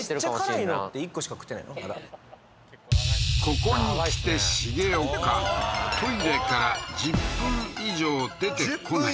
まだここに来て重岡トイレから１０分以上出てこない